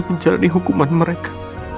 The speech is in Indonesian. menjalani hukuman mereka